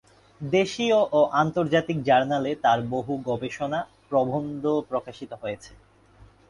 দেশীয় ও আন্তর্জাতিক জার্নালে তার বহু গবেষণা প্রবন্ধ প্রকাশিত হয়েছে।